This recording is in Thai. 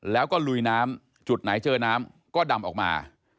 แล้วก็ลุยน้ำจุดไหนเจอน้ำก็ดำออกมา